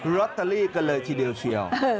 ลอตเตอรี่กันเลยทีเดียวเชียว